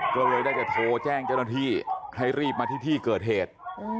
ก็เลยได้จะโทรแจ้งเจ้าหน้าที่ให้รีบมาที่ที่เกิดเหตุ